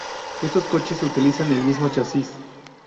Estos coches utilizan el mismo chasis.